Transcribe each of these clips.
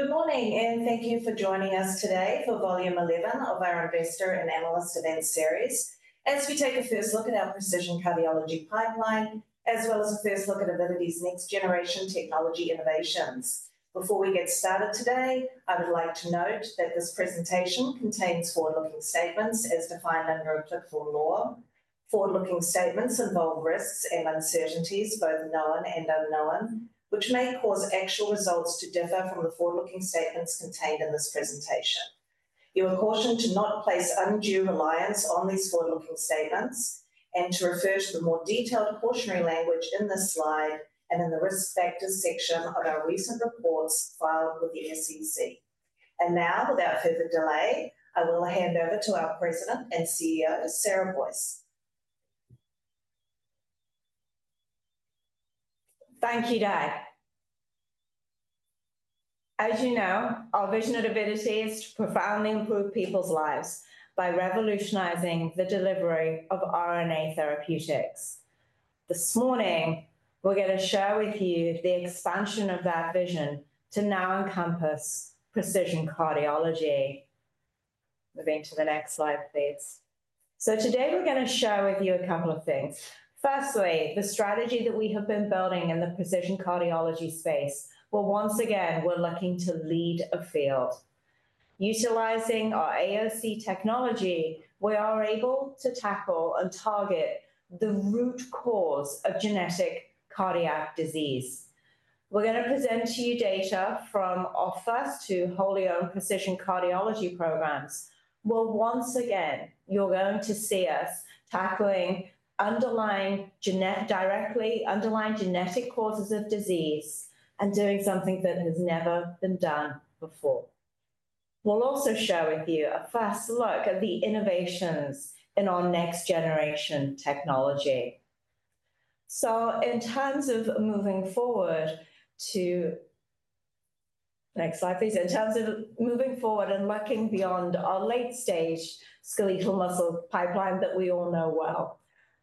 Good morning, and thank you for joining us today for Volume 11 of our Investor and Analyst Event Series, as we take a first look at our precision cardiology pipeline, as well as a first look at Avidity's next-generation technology innovations. Before we get started today, I would like to note that this presentation contains forward-looking statements as defined under applicable law. Forward-looking statements involve risks and uncertainties, both known and unknown, which may cause actual results to differ from the forward-looking statements contained in this presentation. You are cautioned to not place undue reliance on these forward-looking statements and to refer to the more detailed cautionary language in this slide and in the risk factors section of our recent reports filed with the SEC. And now, without further delay, I will hand over to our President and CEO, Sarah Boyce. Thank you, Dave. As you know, our vision at Avidity is to profoundly improve people's lives by revolutionizing the delivery of RNA therapeutics. This morning, we're going to share with you the expansion of that vision to now encompass precision cardiology. Moving to the next slide, please. So today, we're going to share with you a couple of things. Firstly, the strategy that we have been building in the precision cardiology space, well, once again, we're looking to lead a field. Utilizing our AOC technology, we are able to tackle and target the root cause of genetic cardiac disease. We're going to present to you data from our first two wholly-owned precision cardiology programs. Well, once again, you're going to see us tackling directly underlying genetic causes of disease and doing something that has never been done before. We'll also share with you a first look at the innovations in our next-generation technology, so in terms of moving forward to next slide, please. In terms of moving forward and looking beyond our late-stage skeletal muscle pipeline that we all know well,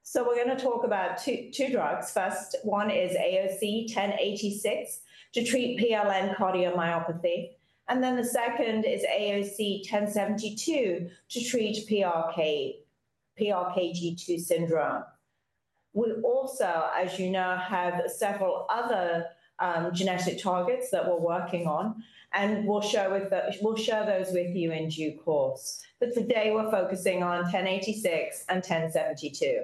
so we're going to talk about two drugs. First, one is AOC 1086 to treat PLN cardiomyopathy. And then the second is AOC 1072 to treat PRK, PRKD2 syndrome. We also, as you know, have several other genetic targets that we're working on, and we'll share those with you in due course. But today, we're focusing on AOC 1086 and AOC 1072.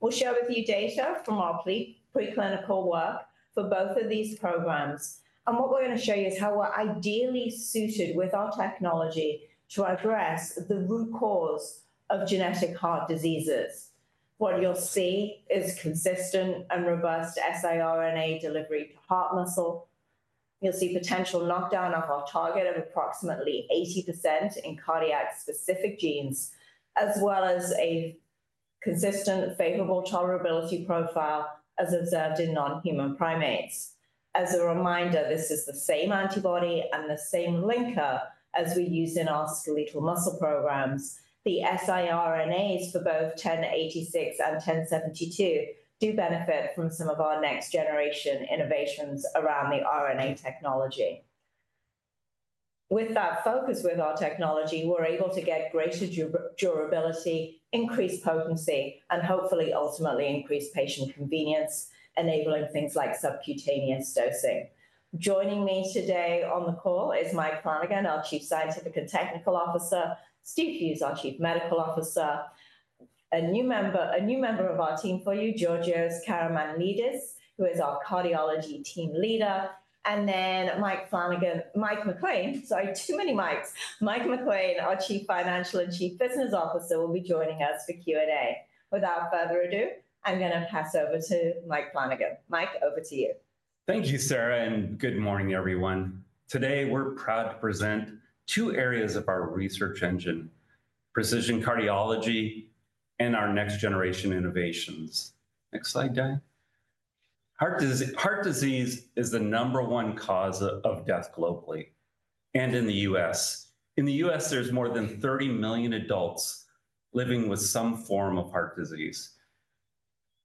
We'll share with you data from our preclinical work for both of these programs. And what we're going to show you is how we're ideally suited with our technology to address the root cause of genetic heart diseases. What you'll see is consistent and robust siRNA delivery to heart muscle. You'll see potential knockdown of our target of approximately 80% in cardiac-specific genes, as well as a consistent, favorable tolerability profile as observed in non-human primates. As a reminder, this is the same antibody and the same linker as we use in our skeletal muscle programs. The siRNAs for both AOC 1086 and AOC 1072 do benefit from some of our next-generation innovations around the RNA technology. With that focus with our technology, we're able to get greater durability, increased potency, and hopefully, ultimately, increased patient convenience, enabling things like subcutaneous dosing. Joining me today on the call is Mike Flanagan, our Chief Scientific and Technical Officer, Steve Hughes, our Chief Medical Officer, a new member of our team for you, Georgios Karamanlidis, who is our Cardiology Team Leader, and then Mike MacLean. Sorry, too many Mikes. Mike MacLean, our Chief Financial and Chief Business Officer, will be joining us for Q&A. Without further ado, I'm going to pass over to Mike Flanagan. Mike, over to you. Thank you, Sarah, and good morning, everyone. Today, we're proud to present two areas of our research engine, precision cardiology and our next-generation innovations. Next slide, Dave. Heart disease is the number one cause of death globally and in the U.S. In the U.S., there's more than 30 million adults living with some form of heart disease.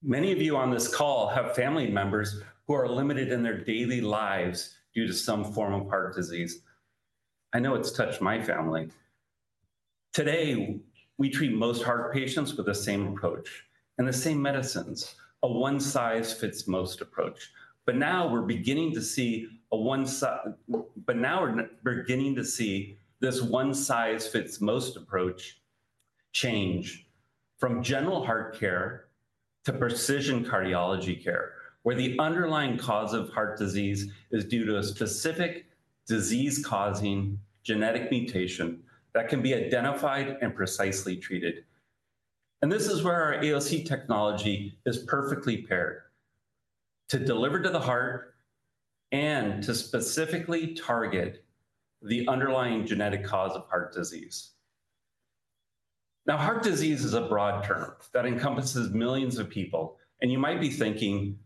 Many of you on this call have family members who are limited in their daily lives due to some form of heart disease. I know it's touched my family. Today, we treat most heart patients with the same approach and the same medicines, a one-size-fits-most approach. But now, we're beginning to see a one-size-fits-most approach change from general heart care to precision cardiology care, where the underlying cause of heart disease is due to a specific disease-causing genetic mutation that can be identified and precisely treated. And this is where our AOC technology is perfectly paired to deliver to the heart and to specifically target the underlying genetic cause of heart disease. Now, heart disease is a broad term that encompasses millions of people. And you might be thinking,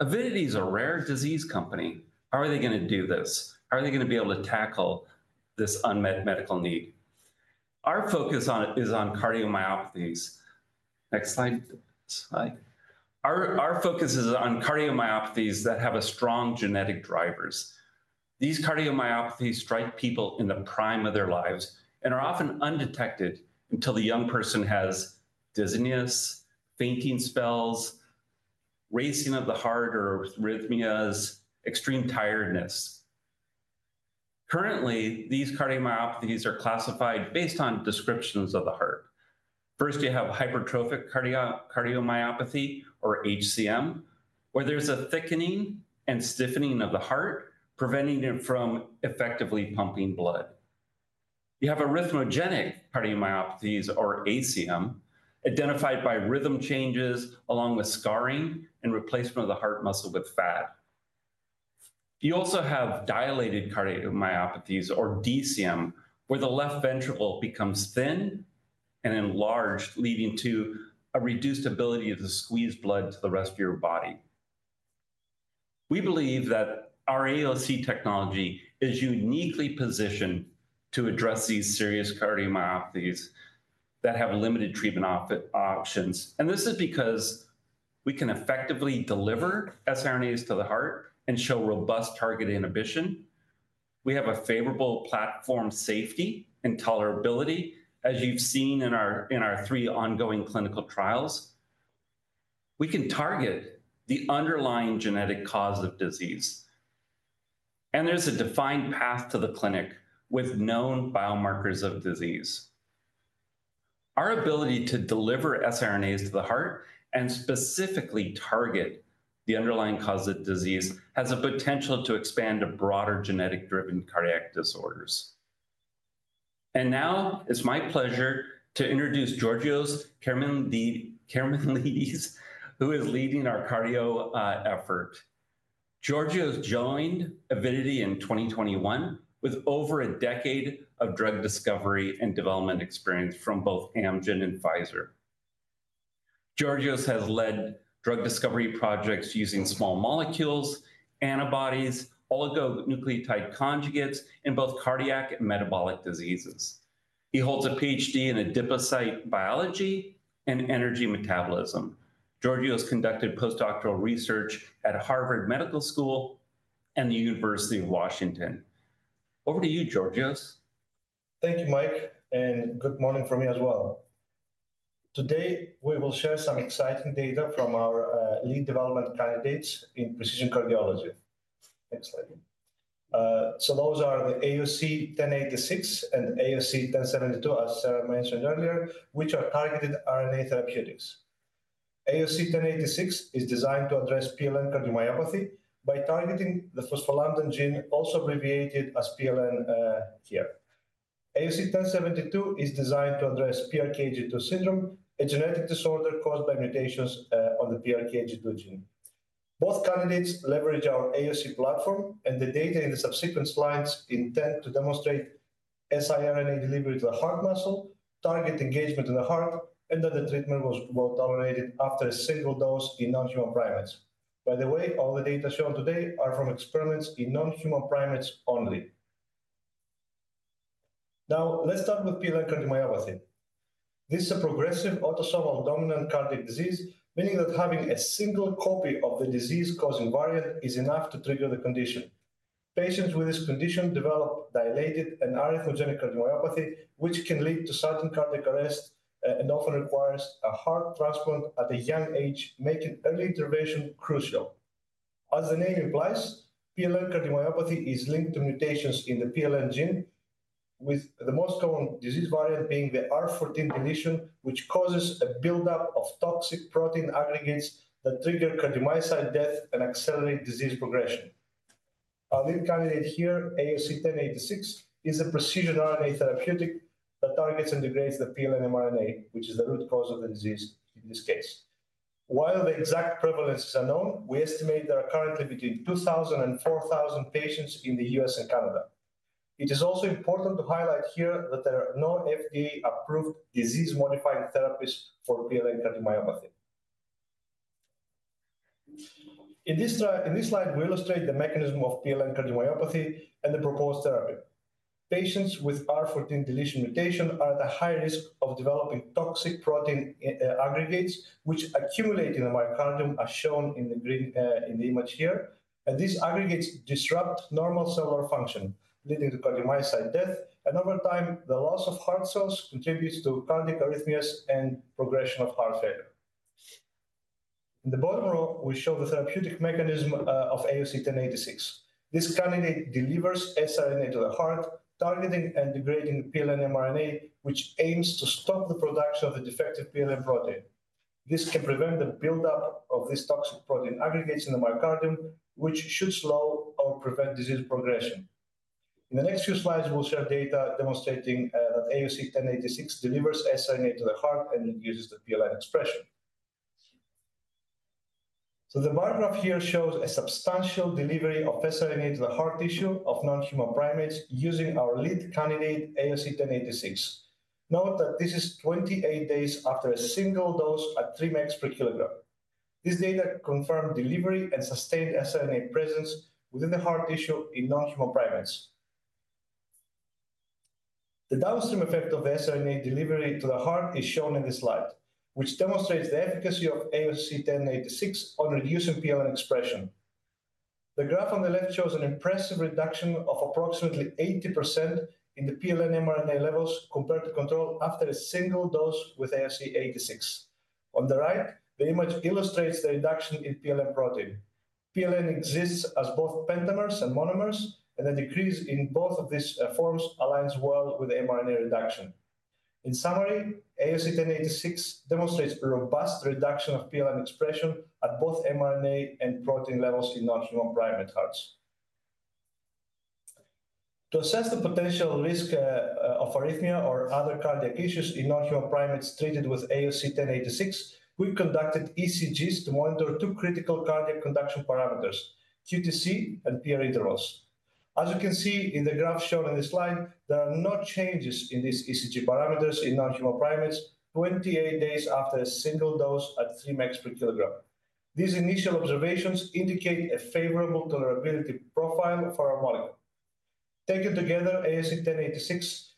Avidity is a rare disease company. How are they going to do this? How are they going to be able to tackle this unmet medical need? Our focus is on cardiomyopathies. Next slide. Our focus is on cardiomyopathies that have strong genetic drivers. These cardiomyopathies strike people in the prime of their lives and are often undetected until the young person has dizziness, fainting spells, racing of the heart or arrhythmias, extreme tiredness. Currently, these cardiomyopathies are classified based on descriptions of the heart. First, you have hypertrophic cardiomyopathy, or HCM, where there's a thickening and stiffening of the heart, preventing it from effectively pumping blood. You have arrhythmogenic cardiomyopathies, or ACM, identified by rhythm changes along with scarring and replacement of the heart muscle with fat. You also have dilated cardiomyopathies, or DCM, where the left ventricle becomes thin and enlarged, leading to a reduced ability to squeeze blood to the rest of your body. We believe that our AOC technology is uniquely positioned to address these serious cardiomyopathies that have limited treatment options. And this is because we can effectively deliver siRNAs to the heart and show robust target inhibition. We have a favorable platform safety and tolerability, as you've seen in our three ongoing clinical trials. We can target the underlying genetic cause of disease. And there's a defined path to the clinic with known biomarkers of disease. Our ability to deliver siRNAs to the heart and specifically target the underlying cause of disease has the potential to expand to broader genetic-driven cardiac disorders. And now, it's my pleasure to introduce Georgios Karamanlidis, who is leading our cardio effort. Georgios joined Avidity in 2021 with over a decade of drug discovery and development experience from both Amgen and Pfizer. Georgios has led drug discovery projects using small molecules, antibodies, oligonucleotide conjugates, in both cardiac and metabolic diseases. He holds a PhD in adipocyte biology and energy metabolism. Georgios conducted postdoctoral research at Harvard Medical School and the University of Washington. Over to you, Georgios. Thank you, Mike. And good morning from me as well. Today, we will share some exciting data from our lead development candidates in precision cardiology. Next slide, so those are the AOC 1086 and AOC 1072, as Sarah mentioned earlier, which are targeted RNA therapeutics. AOC 1086 is designed to address PLN cardiomyopathy by targeting the phospholamban gene, also abbreviated as PLN here. AOC 1072 is designed to address PRKD2 syndrome, a genetic disorder caused by mutations on the PRKD2 gene. Both candidates leverage our AOC platform, and the data in the subsequent slides intend to demonstrate siRNA delivery to the heart muscle, target engagement in the heart, and that the treatment was well tolerated after a single dose in non-human primates. By the way, all the data shown today are from experiments in non-human primates only. Now, let's start with PLN cardiomyopathy. This is a progressive autosomal dominant cardiac disease, meaning that having a single copy of the disease-causing variant is enough to trigger the condition. Patients with this condition develop dilated and arrhythmogenic cardiomyopathy, which can lead to sudden cardiac arrest and often requires a heart transplant at a young age, making early intervention crucial. As the name implies, PLN cardiomyopathy is linked to mutations in the PLN gene, with the most common disease variant being the R14 deletion, which causes a buildup of toxic protein aggregates that trigger cardiomyocyte death and accelerate disease progression. Our lead candidate here, AOC 1086, is a precision RNA therapeutic that targets and degrades the PLN mRNA, which is the root cause of the disease in this case. While the exact prevalence is unknown, we estimate there are currently between 2,000 and 4,000 patients in the U.S. and Canada. It is also important to highlight here that there are no FDA-approved disease-modifying therapies for PLN cardiomyopathy. In this slide, we illustrate the mechanism of PLN cardiomyopathy and the proposed therapy. Patients with R14 deletion mutation are at a high risk of developing toxic protein aggregates, which accumulate in the myocardium, as shown in the image here, and these aggregates disrupt normal cellular function, leading to cardiomyocyte death, and over time, the loss of heart cells contributes to cardiac arrhythmias and progression of heart failure. In the bottom row, we show the therapeutic mechanism of AOC 1086. This candidate delivers siRNA to the heart, targeting and degrading PLN mRNA, which aims to stop the production of the defective PLN protein. This can prevent the buildup of these toxic protein aggregates in the myocardium, which should slow or prevent disease progression. In the next few slides, we'll share data demonstrating that AOC 1086 delivers siRNA to the heart and induces the PLN expression. So the bar graph here shows a substantial delivery of siRNA to the heart tissue of non-human primates using our lead candidate, AOC 1086. Note that this is 28 days after a single dose at 3 mg/kg. This data confirmed delivery and sustained siRNA presence within the heart tissue in non-human primates. The downstream effect of the siRNA delivery to the heart is shown in this slide, which demonstrates the efficacy of AOC 1086 on reducing PLN expression. The graph on the left shows an impressive reduction of approximately 80% in the PLN mRNA levels compared to control after a single dose with AOC 1086. On the right, the image illustrates the reduction in PLN protein. PLN exists as both pentamers and monomers, and the decrease in both of these forms aligns well with the mRNA reduction. In summary, AOC 1086 demonstrates a robust reduction of PLN expression at both mRNA and protein levels in non-human primate hearts. To assess the potential risk of arrhythmia or other cardiac issues in non-human primates treated with AOC 1086, we conducted ECGs to monitor two critical cardiac conduction parameters, QTc and PR intervals. As you can see in the graph shown in this slide, there are no changes in these ECG parameters in non-human primates 28 days after a single dose at 3 mg/kg. These initial observations indicate a favorable tolerability profile for our model. Taken together, AOC 1086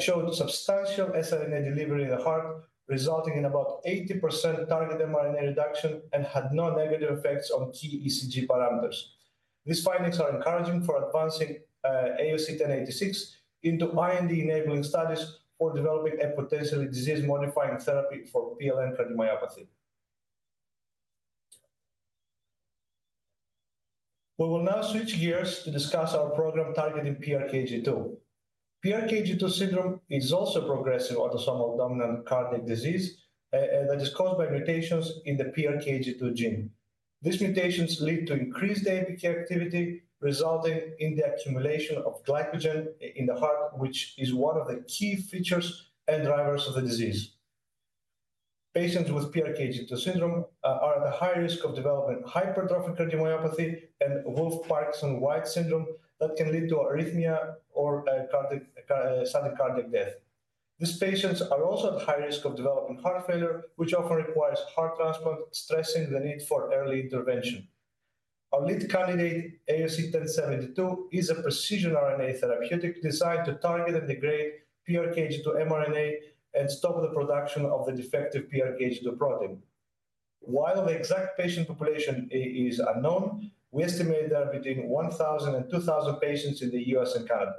showed substantial siRNA delivery in the heart, resulting in about 80% target mRNA reduction and had no negative effects on key ECG parameters. These findings are encouraging for advancing AOC 1086 into IND-enabling studies for developing a potentially disease-modifying therapy for PLN cardiomyopathy. We will now switch gears to discuss our program targeting PRKD2. PRKD2 syndrome is also a progressive autosomal dominant cardiac disease that is caused by mutations in the PRKD2 gene. These mutations lead to increased AMPK activity, resulting in the accumulation of glycogen in the heart, which is one of the key features and drivers of the disease. Patients with PRKD2 syndrome are at a high risk of developing hypertrophic cardiomyopathy and Wolff-Parkinson-White syndrome that can lead to arrhythmia or sudden cardiac death. These patients are also at a high risk of developing heart failure, which often requires heart transplant, stressing the need for early intervention. Our lead candidate, AOC 1072, is a precision RNA therapeutic designed to target and degrade PRKD2 mRNA and stop the production of the defective PRKD2 protein. While the exact patient population is unknown, we estimate there are between 1,000 and 2,000 patients in the U.S. and Canada.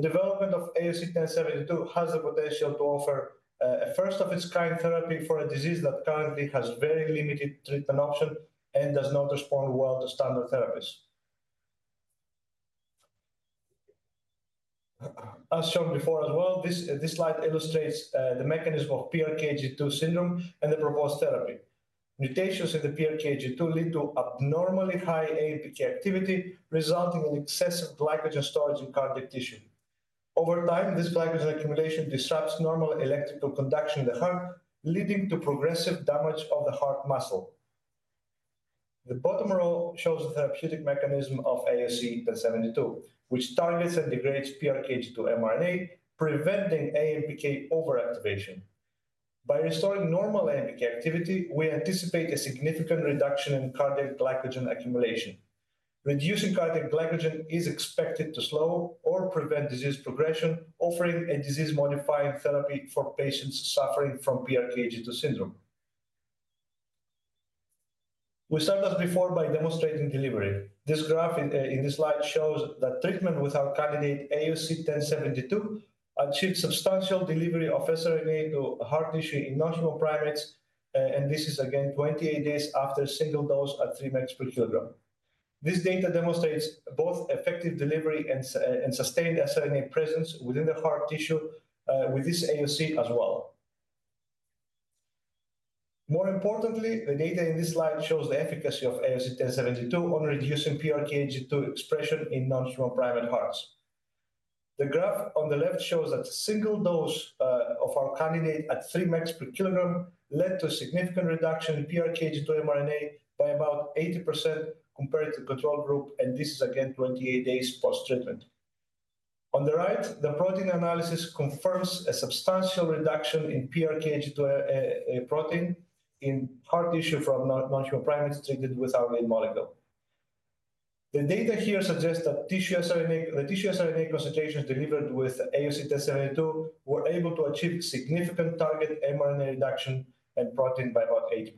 The development of AOC 1072 has the potential to offer a first-of-its-kind therapy for a disease that currently has very limited treatment options and does not respond well to standard therapies. As shown before as well, this slide illustrates the mechanism of PRKD2 syndrome and the proposed therapy. Mutations in the PRKD2 lead to abnormally high AMPK activity, resulting in excessive glycogen storage in cardiac tissue. Over time, this glycogen accumulation disrupts normal electrical conduction in the heart, leading to progressive damage of the heart muscle. The bottom row shows the therapeutic mechanism of AOC 1072, which targets and degrades PRKD2 mRNA, preventing AMPK overactivation. By restoring normal AMPK activity, we anticipate a significant reduction in cardiac glycogen accumulation. Reducing cardiac glycogen is expected to slow or prevent disease progression, offering a disease-modifying therapy for patients suffering from PRKD2 syndrome. We started before by demonstrating delivery. This graph in this slide shows that treatment with our candidate AOC 1072 achieved substantial delivery of siRNA to heart tissue in non-human primates, and this is again 28 days after a single dose at 3 mg/kg. This data demonstrates both effective delivery and sustained siRNA presence within the heart tissue with this AOC as well. More importantly, the data in this slide shows the efficacy of AOC 1072 on reducing PRKD2 expression in non-human primate hearts. The graph on the left shows that a single dose of our candidate at 3 mg/kg led to a significant reduction in PRKD2 mRNA by about 80% compared to the control group, and this is again 28 days post-treatment. On the right, the protein analysis confirms a substantial reduction in PRKD2 protein in heart tissue from non-human primates treated with our lead molecule. The data here suggests that tissue siRNA concentrations delivered with AOC 1072 were able to achieve significant target mRNA reduction and protein by about 80%.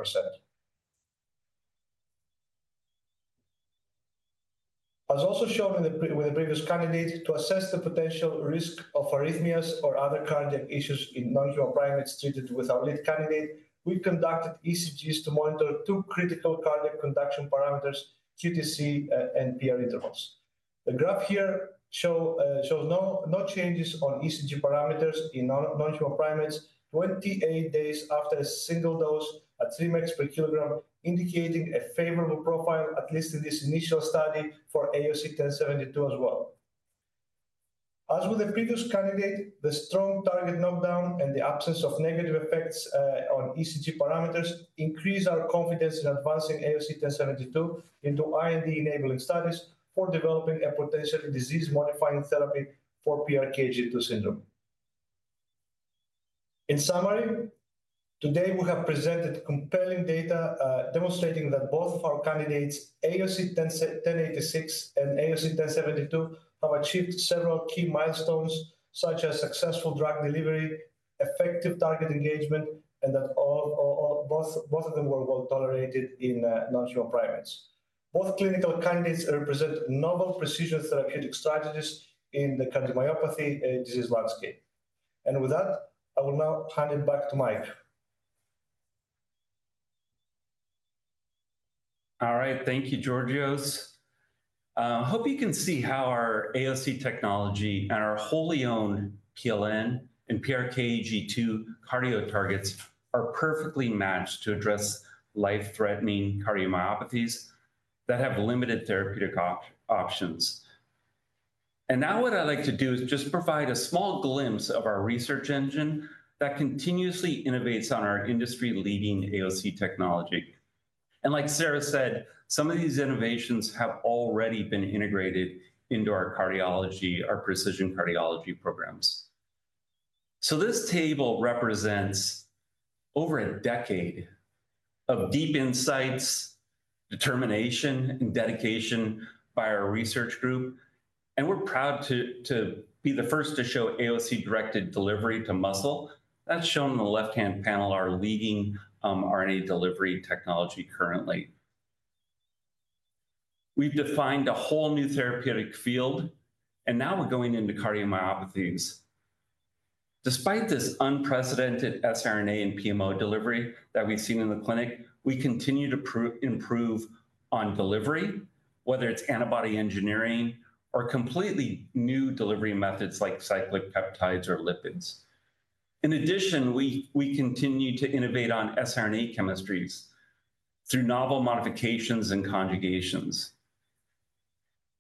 As also shown with the previous candidate, to assess the potential risk of arrhythmias or other cardiac issues in non-human primates treated with our lead candidate, we conducted ECGs to monitor two critical cardiac conduction parameters, QTc and PR intervals. The graph here shows no changes on ECG parameters in non-human primates 28 days after a single dose at 3 mg/kg, indicating a favorable profile, at least in this initial study, for AOC 1072 as well. As with the previous candidate, the strong target knockdown and the absence of negative effects on ECG parameters increase our confidence in advancing AOC 1072 into IND-enabling studies for developing a potentially disease-modifying therapy for PRKD2 syndrome. In summary, today, we have presented compelling data demonstrating that both of our candidates, AOC 1086 and AOC 1072, have achieved several key milestones, such as successful drug delivery, effective target engagement, and that both of them were well tolerated in non-human primates. Both clinical candidates represent novel precision therapeutic strategies in the cardiomyopathy disease landscape. And with that, I will now hand it back to Mike. All right. Thank you, Georgios. I hope you can see how our AOC technology and our wholly owned PLN and PRKD2 cardio targets are perfectly matched to address life-threatening cardiomyopathies that have limited therapeutic options, and now what I'd like to do is just provide a small glimpse of our research engine that continuously innovates on our industry-leading AOC technology, and like Sarah said, some of these innovations have already been integrated into our cardiology, our precision cardiology programs, so this table represents over a decade of deep insights, determination, and dedication by our research group, and we're proud to be the first to show AOC-directed delivery to muscle. That's shown in the left-hand panel, our leading RNA delivery technology currently. We've defined a whole new therapeutic field, and now we're going into cardiomyopathies. Despite this unprecedented siRNA and PMO delivery that we've seen in the clinic, we continue to improve on delivery, whether it's antibody engineering or completely new delivery methods like cyclic peptides or lipids. In addition, we continue to innovate on siRNA chemistries through novel modifications and conjugations.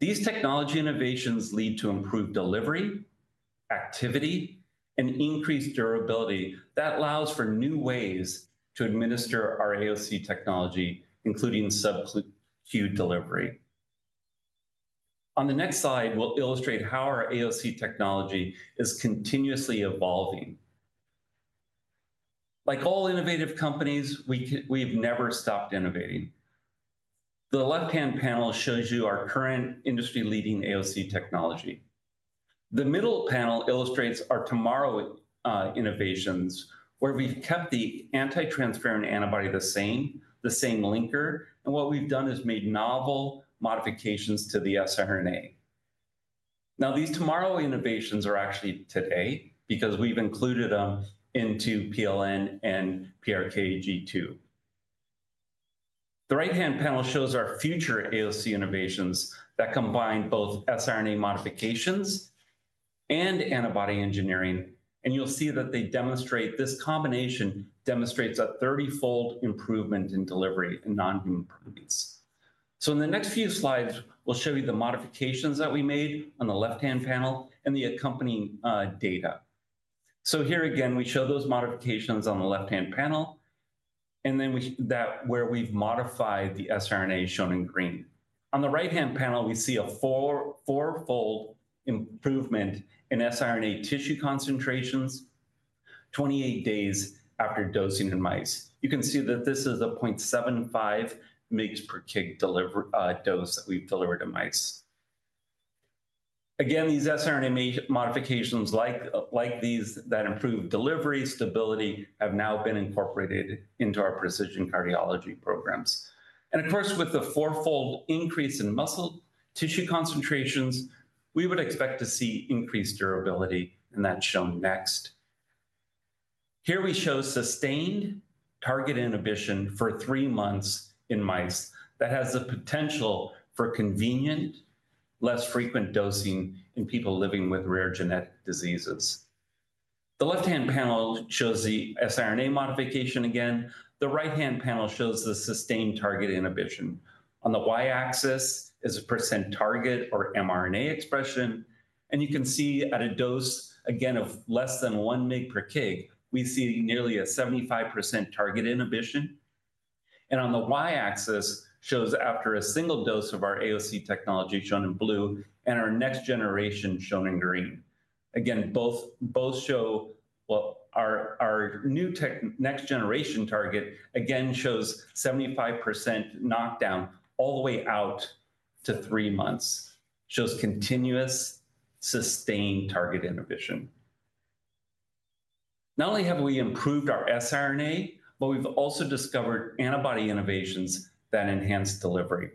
These technology innovations lead to improved delivery, activity, and increased durability that allows for new ways to administer our AOC technology, including subcutaneous delivery. On the next slide, we'll illustrate how our AOC technology is continuously evolving. Like all innovative companies, we've never stopped innovating. The left-hand panel shows you our current industry-leading AOC technology. The middle panel illustrates our tomorrow innovations, where we've kept the anti-transferrin antibody the same, the same linker. And what we've done is made novel modifications to the siRNA. Now, these tomorrow innovations are actually today because we've included them into PLN and PRKD2. The right-hand panel shows our future AOC innovations that combine both siRNA modifications and antibody engineering. And you'll see that this combination demonstrates a 30-fold improvement in delivery in non-human primates. So in the next few slides, we'll show you the modifications that we made on the left-hand panel and the accompanying data. So here again, we show those modifications on the left-hand panel, and then that where we've modified the siRNA shown in green. On the right-hand panel, we see a four-fold improvement in siRNA tissue concentrations 28 days after dosing in mice. You can see that this is a 0.75 mg/kg delivery dose that we've delivered in mice. Again, these siRNA modifications like these that improve delivery stability have now been incorporated into our precision cardiology programs. Of course, with the four-fold increase in muscle tissue concentrations, we would expect to see increased durability, and that's shown next. Here we show sustained target inhibition for three months in mice that has the potential for convenient, less frequent dosing in people living with rare genetic diseases. The left-hand panel shows the siRNA modification again. The right-hand panel shows the sustained target inhibition. On the y-axis is a percent target or mRNA expression. And you can see at a dose, again, of less than 1 mg/kg, we see nearly a 75% target inhibition. And on the y-axis shows after a single dose of our AOC technology shown in blue and our next generation shown in green. Again, both show what our new next generation target again shows 75% knockdown all the way out to three months, shows continuous sustained target inhibition. Not only have we improved our siRNA, but we've also discovered antibody innovations that enhance delivery.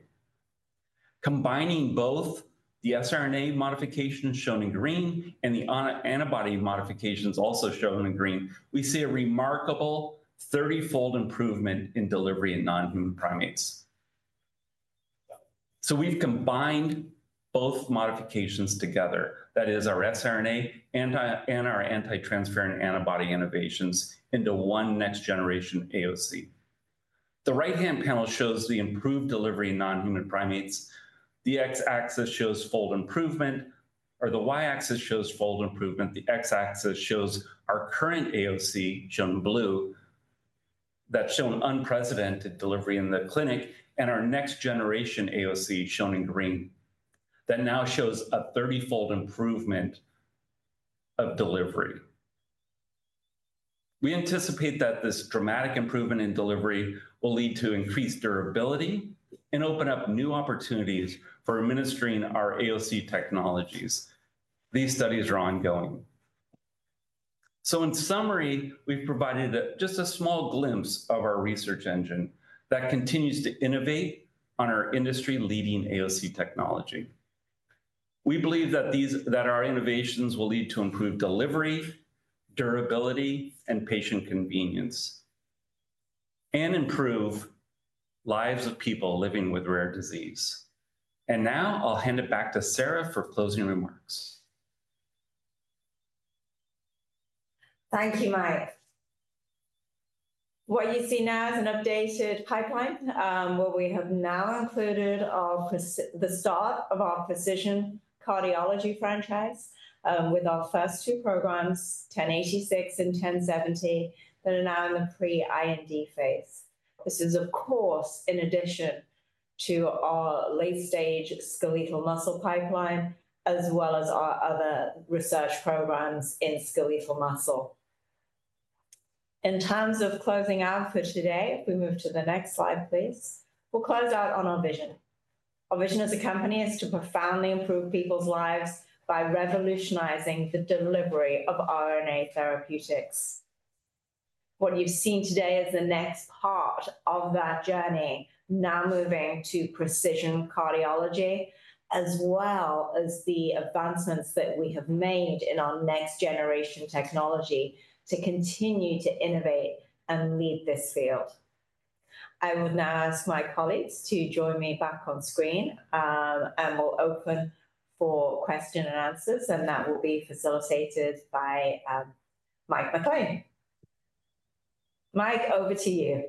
Combining both the siRNA modifications shown in green and the antibody modifications also shown in green, we see a remarkable 30-fold improvement in delivery in non-human primates, so we've combined both modifications together. That is our siRNA and our anti-transferrin antibody innovations into one next generation AOC. The right-hand panel shows the improved delivery in non-human primates. The x-axis shows fold improvement, or the y-axis shows fold improvement. The x-axis shows our current AOC shown in blue that's shown unprecedented delivery in the clinic, and our next generation AOC shown in green that now shows a 30-fold improvement of delivery. We anticipate that this dramatic improvement in delivery will lead to increased durability and open up new opportunities for administering our AOC technologies. These studies are ongoing. In summary, we've provided just a small glimpse of our research engine that continues to innovate on our industry-leading AOC technology. We believe that our innovations will lead to improved delivery, durability, and patient convenience, and improve lives of people living with rare disease. Now I'll hand it back to Sarah for closing remarks. Thank you, Mike. What you see now is an updated pipeline where we have now included the start of our precision cardiology franchise with our first two programs, AOC 1086 and AOC 1072, that are now in the pre-IND phase. This is, of course, in addition to our late-stage skeletal muscle pipeline, as well as our other research programs in skeletal muscle. In terms of closing out for today, if we move to the next slide, please, we'll close out on our vision. Our vision as a company is to profoundly improve people's lives by revolutionizing the delivery of RNA therapeutics. What you've seen today is the next part of that journey, now moving to precision cardiology, as well as the advancements that we have made in our next generation technology to continue to innovate and lead this field. I would now ask my colleagues to join me back on screen, and we'll open for questions and answers, and that will be facilitated by Mike MacLean. Mike, over to you.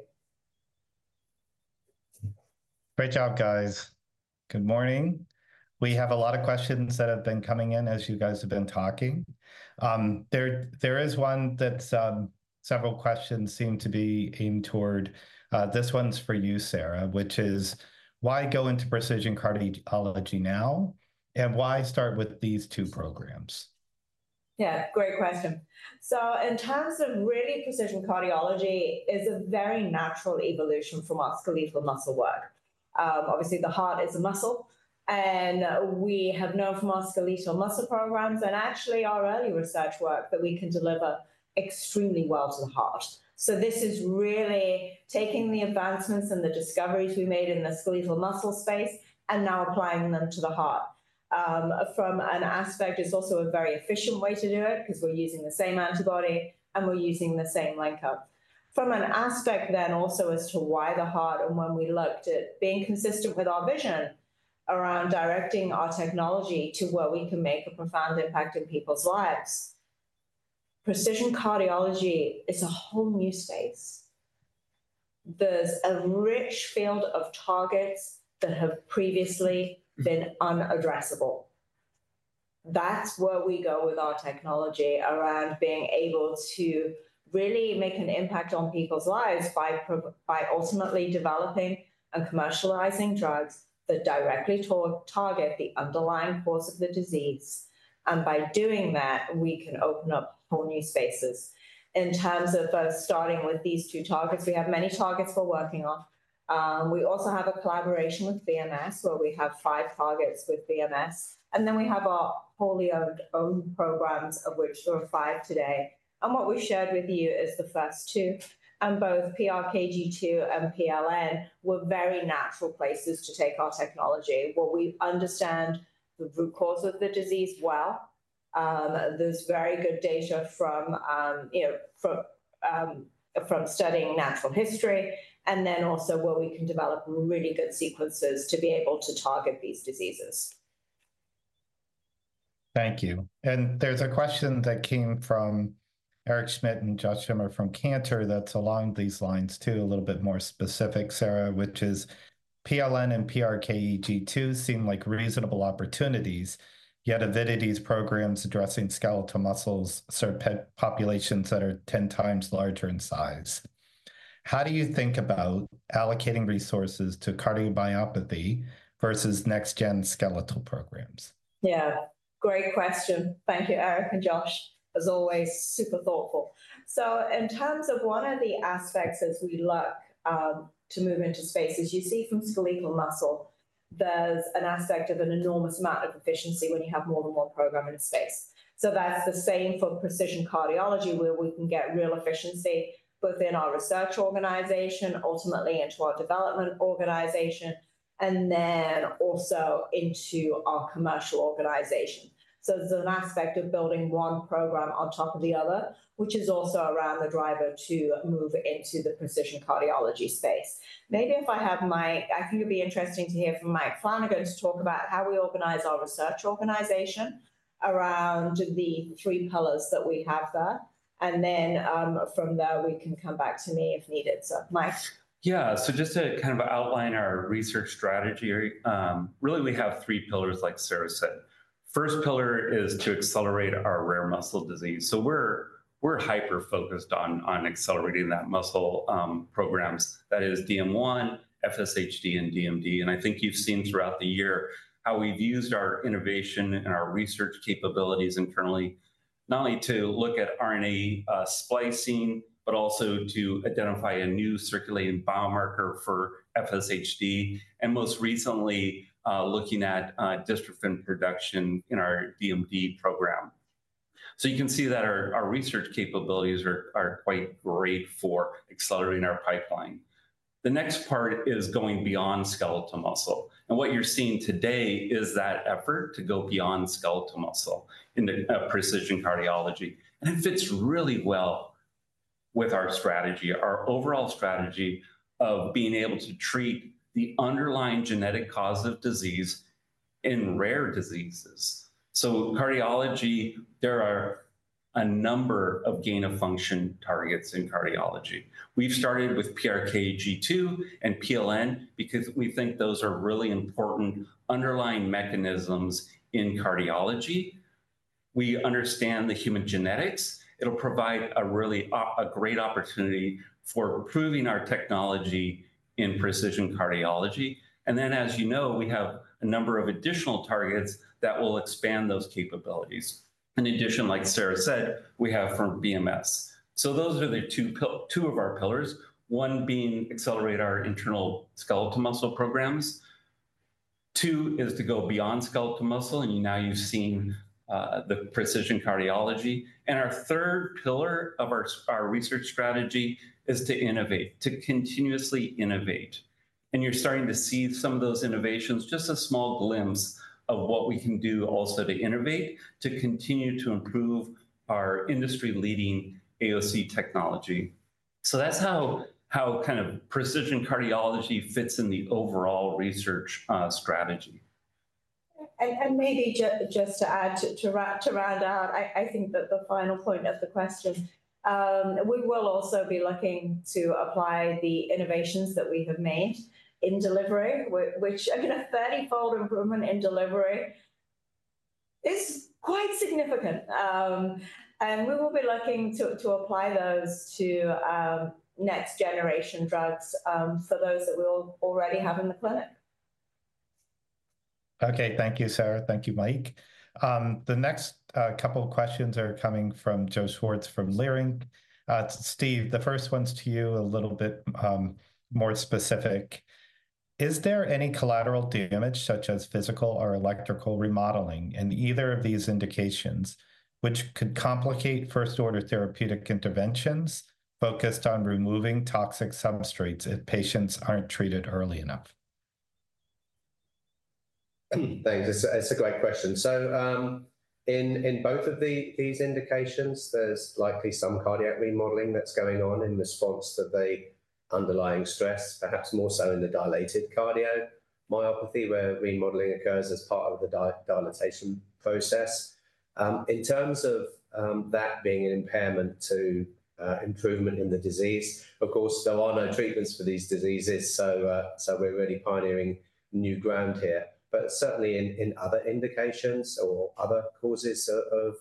Great job, guys. Good morning. We have a lot of questions that have been coming in as you guys have been talking. There is one that several questions seem to be aimed toward. This one's for you, Sarah, which is, why go into precision cardiology now, and why start with these two programs? Yeah, great question. So in terms of really precision cardiology, it's a very natural evolution from our skeletal muscle work. Obviously, the heart is a muscle, and we have known from our skeletal muscle programs and actually our early research work that we can deliver extremely well to the heart. So this is really taking the advancements and the discoveries we made in the skeletal muscle space and now applying them to the heart. From an aspect, it's also a very efficient way to do it because we're using the same antibody and we're using the same linker. From an aspect then also as to why the heart and when we looked at being consistent with our vision around directing our technology to where we can make a profound impact in people's lives. Precision cardiology is a whole new space. There's a rich field of targets that have previously been unaddressable. That's where we go with our technology around being able to really make an impact on people's lives by ultimately developing and commercializing drugs that directly target the underlying cause of the disease, and by doing that, we can open up whole new spaces. In terms of starting with these two targets, we have many targets we're working on. We also have a collaboration with BMS, where we have five targets with BMS, and then we have our wholly owned programs, of which there are five today, and what we've shared with you is the first two, and both PRKD2 and PLN were very natural places to take our technology. We understand the root cause of the disease well. There's very good data from studying natural history, and then also where we can develop really good sequences to be able to target these diseases. Thank you. And there's a question that came from Eric Schmidt and Josh Schimmer from Cantor that's along these lines too, a little bit more specific, Sarah, which is, PLN and PRKD2 seem like reasonable opportunities, yet Avidity's programs addressing skeletal muscles serve populations that are 10x larger in size. How do you think about allocating resources to cardiomyopathy versus next-gen skeletal programs? Yeah, great question. Thank you, Eric and Josh. As always, super thoughtful. So in terms of one of the aspects as we look to move into spaces, you see from skeletal muscle, there's an aspect of an enormous amount of efficiency when you have more than one program in a space. So that's the same for precision cardiology, where we can get real efficiency both in our research organization, ultimately into our development organization, and then also into our commercial organization. So there's an aspect of building one program on top of the other, which is also around the driver to move into the precision cardiology space. Maybe if I have Mike, I think it'd be interesting to hear from Mike Flanagan to talk about how we organize our research organization around the three pillars that we have there. And then from there, we can come back to me if needed. So Mike. Yeah, so just to kind of outline our research strategy, really we have three pillars, like Sarah said. First pillar is to accelerate our rare muscle disease, so we're hyper-focused on accelerating that muscle programs. That is DM1, FSHD, and DMD. And I think you've seen throughout the year how we've used our innovation and our research capabilities internally, not only to look at RNA splicing, but also to identify a new circulating biomarker for FSHD, and most recently looking at dystrophin production in our DMD program, so you can see that our research capabilities are quite great for accelerating our pipeline. The next part is going beyond skeletal muscle, and what you're seeing today is that effort to go beyond skeletal muscle in precision cardiology. It fits really well with our strategy, our overall strategy of being able to treat the underlying genetic cause of disease in rare diseases. So, cardiology, there are a number of gain-of-function targets in cardiology. We've started with PRKD2 and PLN because we think those are really important underlying mechanisms in cardiology. We understand the human genetics. It'll provide a really great opportunity for proving our technology in precision cardiology. And then, as you know, we have a number of additional targets that will expand those capabilities. In addition, like Sarah said, we have from BMS. So those are the two of our pillars, one being accelerate our internal skeletal muscle programs, two is to go beyond skeletal muscle, and now you've seen the precision cardiology. And our third pillar of our research strategy is to innovate, to continuously innovate. And you're starting to see some of those innovations, just a small glimpse of what we can do also to innovate, to continue to improve our industry-leading AOC technology. So that's how kind of precision cardiology fits in the overall research strategy. And maybe just to add to round out, I think that the final point of the question, we will also be looking to apply the innovations that we have made in delivery, which a 30-fold improvement in delivery is quite significant. And we will be looking to apply those to next-generation drugs for those that we already have in the clinic. Okay, thank you, Sarah. Thank you, Mike. The next couple of questions are coming from Joe Schwartz from Leerink. Steve, the first one's to you a little bit more specific. Is there any collateral damage, such as physical or electrical remodeling in either of these indications, which could complicate first-order therapeutic interventions focused on removing toxic substrates if patients aren't treated early enough? Thanks. It's a great question. So in both of these indications, there's likely some cardiac remodeling that's going on in response to the underlying stress, perhaps more so in the dilated cardiomyopathy, where remodeling occurs as part of the dilatation process. In terms of that being an impairment to improvement in the disease, of course, there are no treatments for these diseases. So we're really pioneering new ground here. But certainly in other indications or other causes of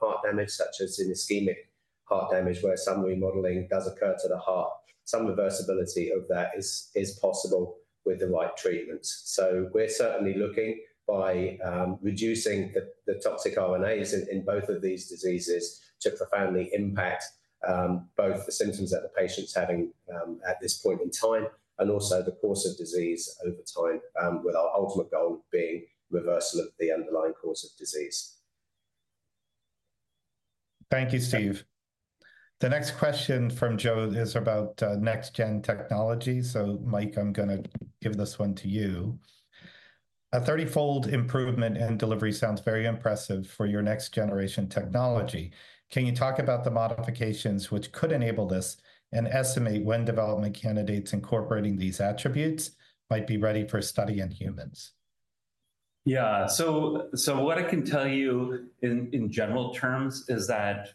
heart damage, such as in ischemic heart damage, where some remodeling does occur to the heart, some reversibility of that is possible with the right treatments. So we're certainly looking by reducing the toxic RNAs in both of these diseases to profoundly impact both the symptoms that the patient's having at this point in time and also the course of disease over time, with our ultimate goal being reversal of the underlying cause of disease. Thank you, Steve. The next question from Joe is about next-gen technology. So Mike, I'm going to give this one to you. A 30-fold improvement in delivery sounds very impressive for your next-generation technology. Can you talk about the modifications which could enable this and estimate when development candidates incorporating these attributes might be ready for study in humans? Yeah, so what I can tell you in general terms is that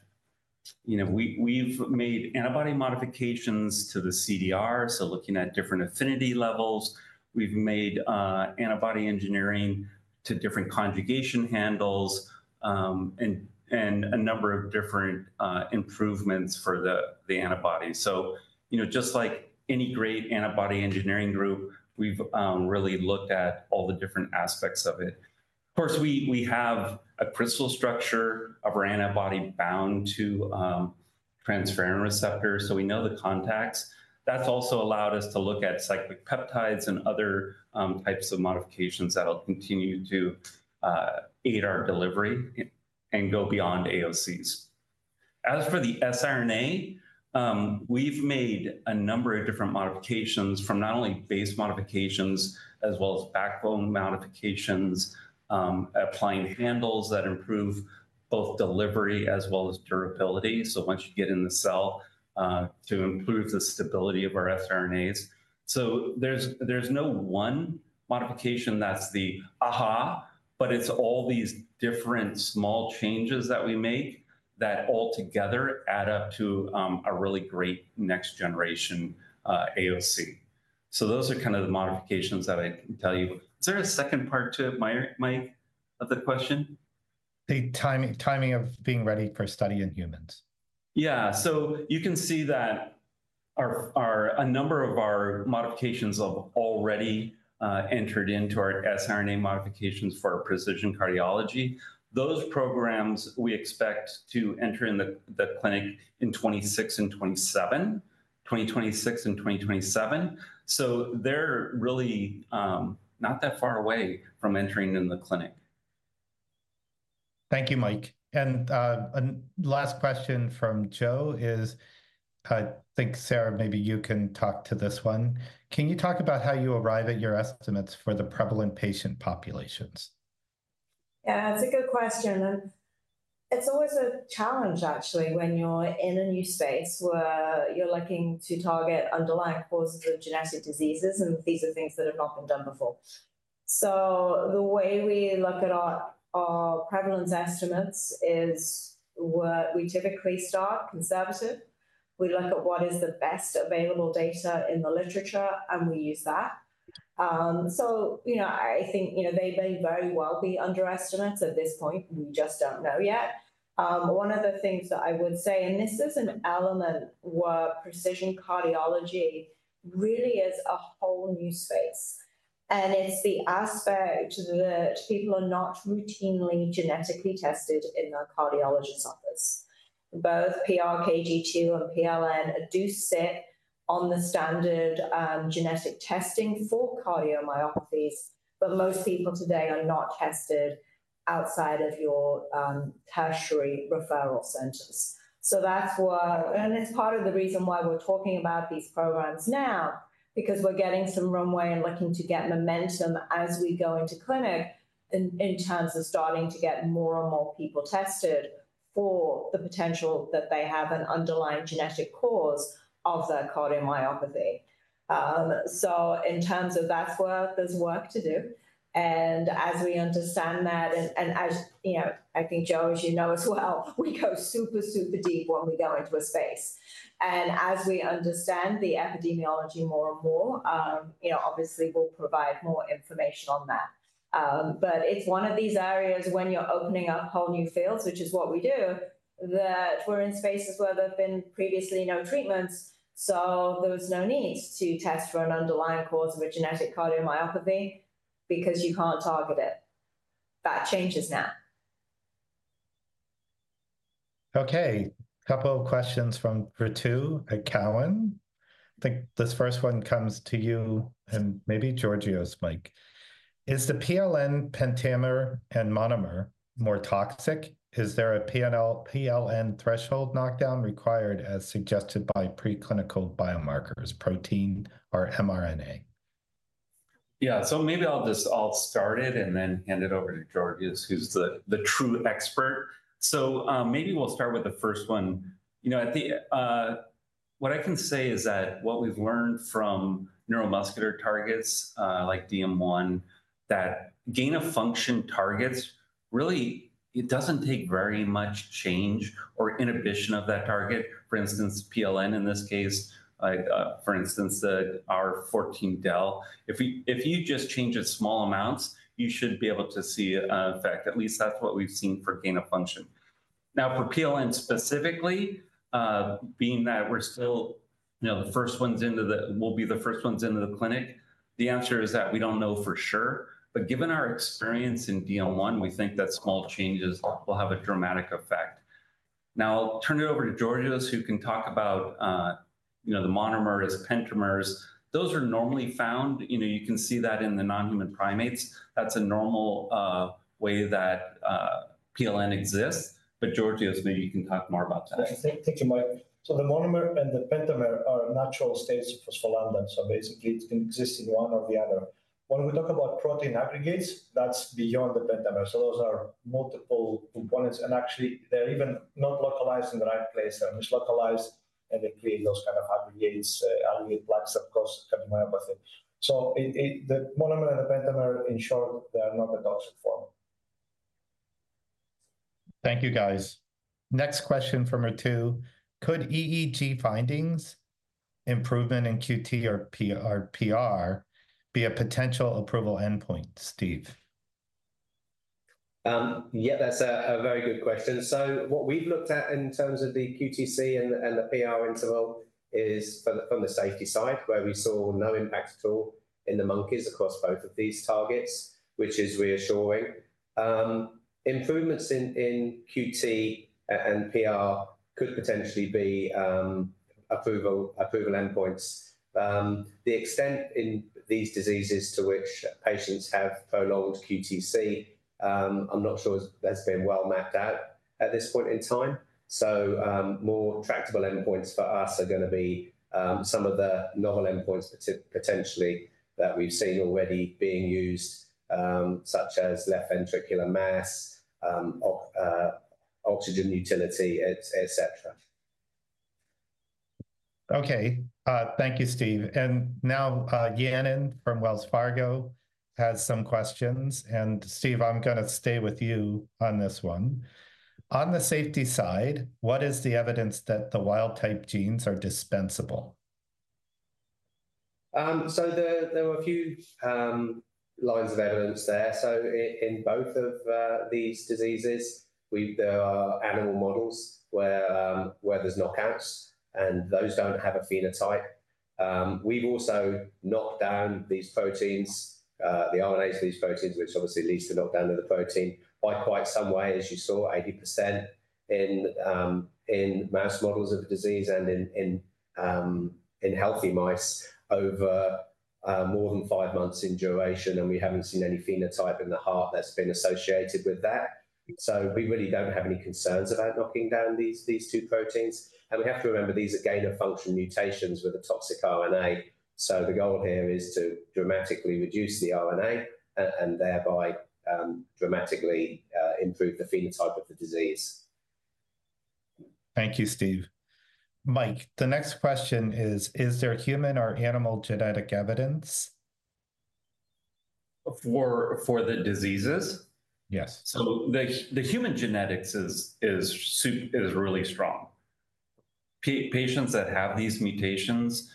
we've made antibody modifications to the CDR, so looking at different affinity levels. We've made antibody engineering to different conjugation handles and a number of different improvements for the antibody. So just like any great antibody engineering group, we've really looked at all the different aspects of it. Of course, we have a crystal structure of our antibody bound to transferrin receptors, so we know the contacts. That's also allowed us to look at cyclic peptides and other types of modifications that'll continue to aid our delivery and go beyond AOCs. As for the siRNA, we've made a number of different modifications from not only base modifications as well as backbone modifications, applying handles that improve both delivery as well as durability. So once you get in the cell to improve the stability of our siRNAs. So there's no one modification that's the aha, but it's all these different small changes that we make that altogether add up to a really great next-generation AOC. So those are kind of the modifications that I can tell you. Is there a second part to it, Mike, of the question? The timing of being ready for study in humans. Yeah, so you can see that a number of our modifications have already entered into our siRNA modifications for precision cardiology. Those programs we expect to enter in the clinic in 26 and 27, 2026 and 2027. So they're really not that far away from entering in the clinic. Thank you, Mike. And last question from Joe is, I think Sarah, maybe you can talk to this one. Can you talk about how you arrive at your estimates for the prevalent patient populations? Yeah, that's a good question. It's always a challenge, actually, when you're in a new space where you're looking to target underlying causes of genetic diseases, and these are things that have not been done before. So the way we look at our prevalence estimates is we typically start conservative. We look at what is the best available data in the literature, and we use that. So I think they may very well be underestimates at this point. We just don't know yet. One of the things that I would say, and this is an element where precision cardiology really is a whole new space. And it's the aspect that people are not routinely genetically tested in the cardiologist's office. Both PRKD2 and PLN do sit on the standard genetic testing for cardiomyopathies, but most people today are not tested outside of your tertiary referral centers. So that's why it's part of the reason why we're talking about these programs now, because we're getting some runway and looking to get momentum as we go into clinic in terms of starting to get more and more people tested for the potential that they have an underlying genetic cause of their cardiomyopathy. So in terms of that, that's where there's work to do. And as we understand that, and as I think, Joe, as you know as well, we go super, super deep when we go into a space. And as we understand the epidemiology more and more, obviously, we'll provide more information on that. But it's one of these areas when you're opening up whole new fields, which is what we do, that we're in spaces where there have been previously no treatments. So there was no need to test for an underlying cause of a genetic cardiomyopathy because you can't target it. That changes now. Okay, a couple of questions from Ritu at Cowen. I think this first one comes to you and maybe Georgios' mic. Is the PLN pentamer and monomer more toxic? Is there a PLN threshold knockdown required as suggested by preclinical biomarkers, protein or mRNA? Yeah, so maybe I'll just start it and then hand it over to Georgios', who's the true expert. So maybe we'll start with the first one. What I can say is that what we've learned from neuromuscular targets like DM1, that gain-of-function targets, really, it doesn't take very much change or inhibition of that target. For instance, PLN in this case, for instance, our R14del, if you just change it small amounts, you should be able to see an effect. At least that's what we've seen for gain-of-function. Now, for PLN specifically, being that we're still the first ones into the clinic, the answer is that we don't know for sure. But given our experience in DM1, we think that small changes will have a dramatic effect. Now, I'll turn it over to Georgios', who can talk about the monomers and pentamers. Those are normally found. You can see that in the non-human primates. That's a normal way that PLN exists. But Georgios', maybe you can talk more about that. Thank you, Mike. So the monomer and the pentamer are natural states of phospholamban. So basically, it can exist in one or the other. When we talk about protein aggregates, that's beyond the pentamers. So those are multiple components. And actually, they're even not localized in the right place. They're mislocalized, and they create those kind of aggregates, aggregate plaques that cause cardiomyopathy. So the monomer and the pentamer, in short, they are not a toxic form. Thank you, guys. Next question from Ritu. Could EEG findings, improvement in QT or PR, be a potential approval endpoint, Steve? Yeah, that's a very good question. So what we've looked at in terms of the QTc and the PR interval is from the safety side, where we saw no impact at all in the monkeys across both of these targets, which is reassuring. Improvements in QT and PR could potentially be approval endpoints. The extent in these diseases to which patients have prolonged QTc, I'm not sure has been well mapped out at this point in time. So more tractable endpoints for us are going to be some of the novel endpoints potentially that we've seen already being used, such as left ventricular mass, oxygen utilization, et cetera. Okay, thank you, Steve. And now, Yanan from Wells Fargo has some questions. And Steve, I'm going to stay with you on this one. On the safety side, what is the evidence that the wild-type genes are dispensable? So there were a few lines of evidence there. So in both of these diseases, there are animal models where there's knockouts, and those don't have a phenotype. We've also knocked down these proteins, the RNAs of these proteins, which obviously leads to knockdown of the protein by quite some way, as you saw, 80% in mouse models of the disease and in healthy mice over more than five months in duration. And we haven't seen any phenotype in the heart that's been associated with that. So we really don't have any concerns about knocking down these two proteins. And we have to remember these are gain-of-function mutations with a toxic RNA. So the goal here is to dramatically reduce the RNA and thereby dramatically improve the phenotype of the disease. Thank you, Steve. Mike, the next question is, is there human or animal genetic evidence? For the diseases? Yes. So the human genetics is really strong. Patients that have these mutations,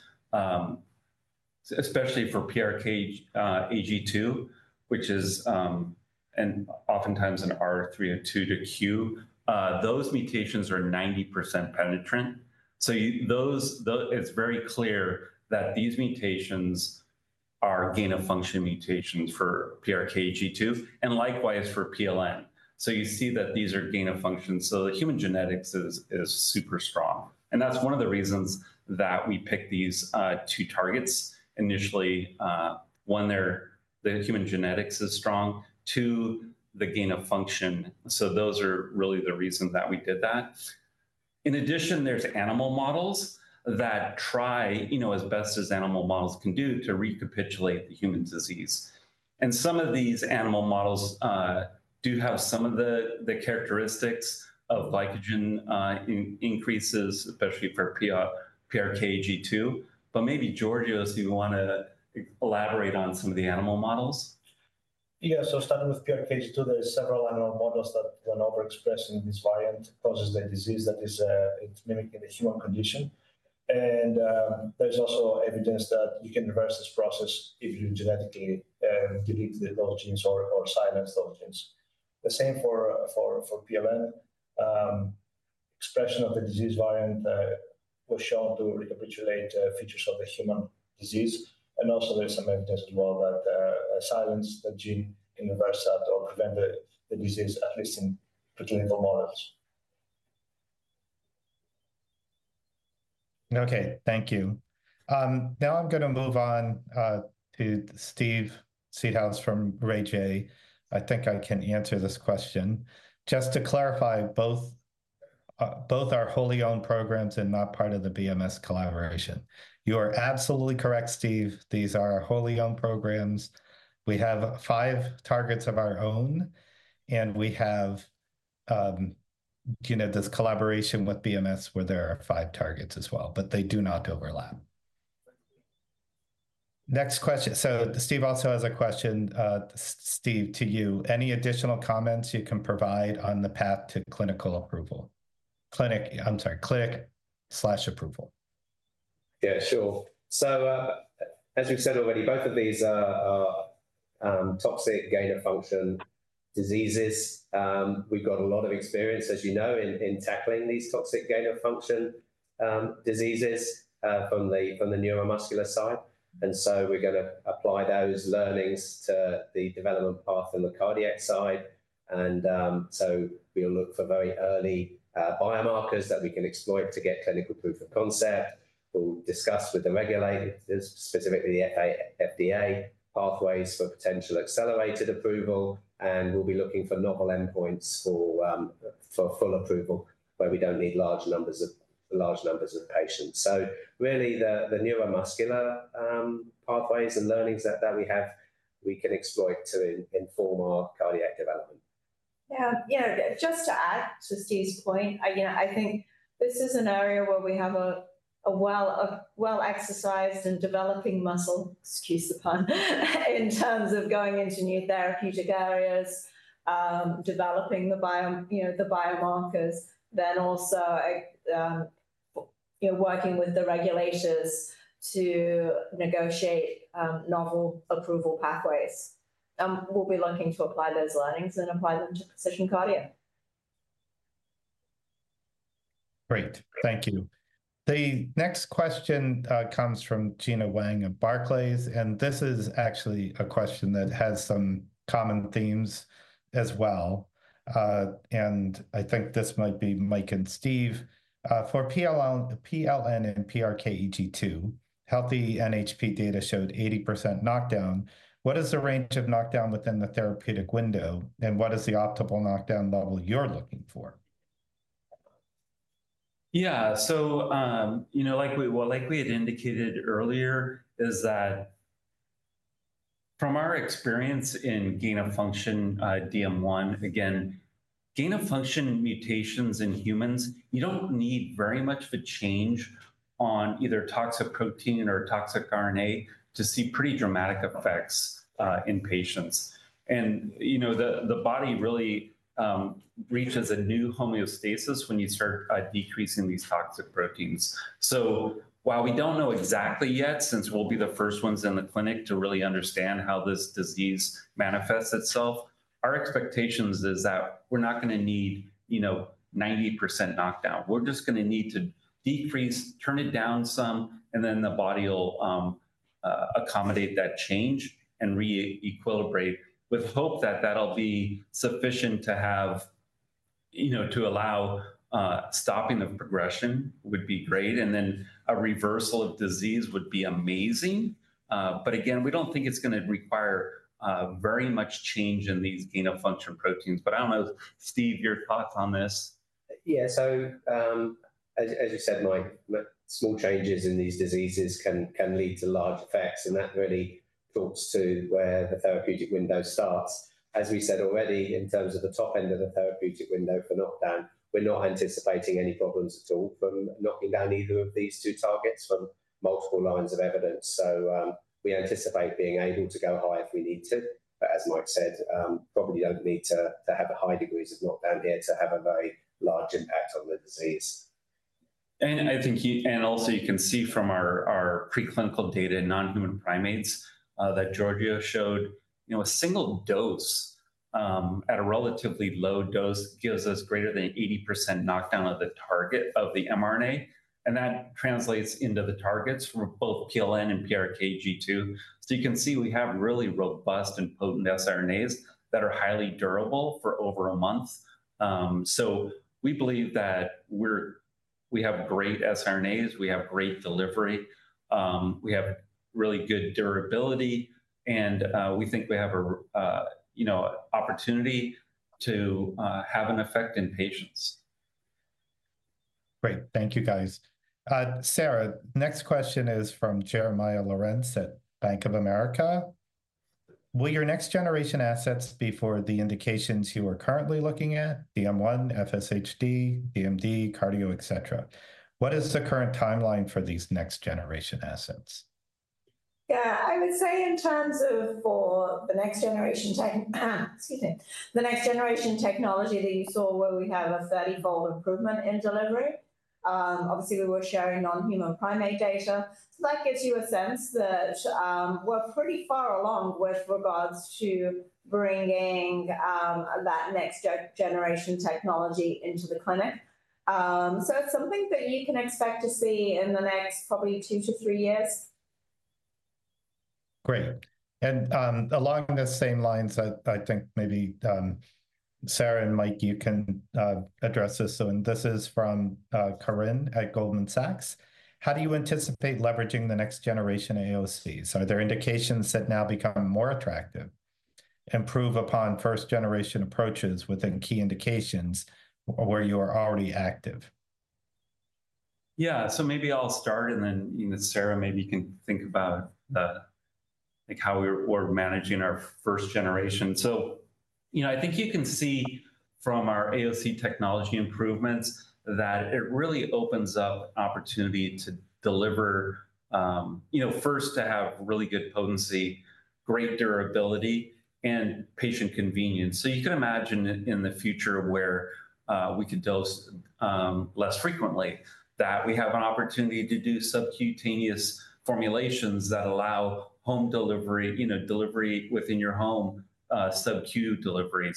especially for PRKD2, which is oftentimes an R392Q, those mutations are 90% penetrant. So it's very clear that these mutations are gain-of-function mutations for PRKD2 and likewise for PLN. So you see that these are gain-of-function. So the human genetics is super strong. And that's one of the reasons that we picked these two targets initially. One, the human genetics is strong. Two, the gain-of-function. So those are really the reasons that we did that. In addition, there's animal models that try as best as animal models can do to recapitulate the human disease. And some of these animal models do have some of the characteristics of glycogen increases, especially for PRKD2. But maybe Georgios, if you want to elaborate on some of the animal models? Yeah, so starting with PRKD2, there are several animal models that were overexpressed in this variant causes the disease that is mimicking the human condition. And there's also evidence that you can reverse this process if you genetically delete those genes or silence those genes. The same for PLN. Expression of the disease variant was shown to recapitulate features of the human disease. And also, there's some evidence as well that silence the gene in reverse or prevent the disease, at least in preclinical models. Okay, thank you. Now I'm going to move on to Steve Seedhouse from Raymond James. I think I can answer this question. Just to clarify, both are wholly owned programs and not part of the BMS collaboration. You are absolutely correct, Steve. These are wholly owned programs. We have five targets of our own. And we have this collaboration with BMS where there are five targets as well, but they do not overlap. Next question. So Steve also has a question, Steve, to you. Any additional comments you can provide on the path to clinical approval? I'm sorry, clinical approval. Yeah, sure. So as we've said already, both of these are toxic gain-of-function diseases. We've got a lot of experience, as you know, in tackling these toxic gain-of-function diseases from the neuromuscular side. And so we're going to apply those learnings to the development path in the cardiac side. And so we'll look for very early biomarkers that we can exploit to get clinical proof of concept. We'll discuss with the regulators, specifically the FDA, pathways for potential accelerated approval. And we'll be looking for novel endpoints for full approval where we don't need large numbers of patients. So really, the neuromuscular pathways and learnings that we have, we can exploit to inform our cardiac development. Yeah, just to add to Steve's point, I think this is an area where we have a well-exercised and developing muscle, excuse the pun, in terms of going into new therapeutic areas, developing the biomarkers, then also working with the regulators to negotiate novel approval pathways, and we'll be looking to apply those learnings and apply them to precision cardio. Great, thank you. The next question comes from Gena Wang of Barclays. And this is actually a question that has some common themes as well. And I think this might be Mike and Steve. For PLN and PRKD2, healthy NHP data showed 80% knockdown. What is the range of knockdown within the therapeutic window? And what is the optimal knockdown level you're looking for? Yeah, so like we had indicated earlier, is that from our experience in gain-of-function DM1, again, gain-of-function mutations in humans, you don't need very much of a change on either toxic protein or toxic RNA to see pretty dramatic effects in patients. And the body really reaches a new homeostasis when you start decreasing these toxic proteins. So while we don't know exactly yet, since we'll be the first ones in the clinic to really understand how this disease manifests itself, our expectation is that we're not going to need 90% knockdown. We're just going to need to decrease, turn it down some, and then the body will accommodate that change and re-equilibrate with hope that that'll be sufficient to allow stopping of progression would be great. And then a reversal of disease would be amazing. But again, we don't think it's going to require very much change in these gain-of-function proteins. But I don't know, Steve, your thoughts on this? Yeah, so as you said, Mike, small changes in these diseases can lead to large effects. And that really talks to where the therapeutic window starts. As we said already, in terms of the top end of the therapeutic window for knockdown, we're not anticipating any problems at all from knocking down either of these two targets from multiple lines of evidence. So we anticipate being able to go high if we need to. But as Mike said, probably don't need to have high degrees of knockdown here to have a very large impact on the disease. And also, you can see from our preclinical data in non-human primates that Georgios showed a single dose at a relatively low dose gives us greater than 80% knockdown of the target of the mRNA. And that translates into the targets for both PLN and PRKD2. So you can see we have really robust and potent siRNAs that are highly durable for over a month. So we believe that we have great siRNAs. We have great delivery. We have really good durability. And we think we have an opportunity to have an effect in patients. Great, thank you, guys. Sarah, next question is from Jeremiah Lorentz at Bank of America. Will your next generation assets be for the indications you are currently looking at, DM1, FSHD, DMD, cardio, et cetera? What is the current timeline for these next generation assets? Yeah, I would say in terms of for the next generation technology that you saw where we have a 30-fold improvement in delivery. Obviously, we were sharing non-human primate data. So that gives you a sense that we're pretty far along with regards to bringing that next generation technology into the clinic. So it's something that you can expect to see in the next probably two to three years. Great. And along the same lines, I think maybe Sarah and Mike, you can address this. And this is from Corinne at Goldman Sachs. How do you anticipate leveraging the next generation AOCs? Are there indications that now become more attractive, improve upon first-generation approaches within key indications where you are already active? Yeah, so maybe I'll start, and then Sarah maybe can think about how we're managing our first generation. I think you can see from our AOC technology improvements that it really opens up an opportunity to deliver first to have really good potency, great durability, and patient convenience. You can imagine in the future where we could dose less frequently, that we have an opportunity to do subcutaneous formulations that allow home delivery, delivery within your home, subQ delivery.